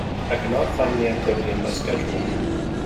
I could not find the activity in my Schedule.